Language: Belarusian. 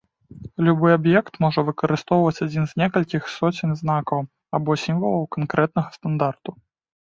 Любы аб'ект можа выкарыстоўваць адзін з некалькіх соцень знакаў або сімвалаў канкрэтнага стандарту.